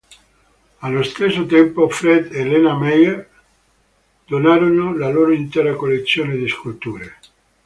Allo stesso tempo, Fred e Lena Meijer, donarono la loro intera collezione di sculture.